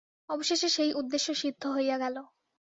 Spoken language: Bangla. অবশেষে সেই উদ্দেশ্য সিদ্ধ হইয়া গেল।